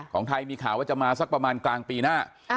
ของไทยมีข่าวว่าจะมาสักประมาณกลางปีหน้า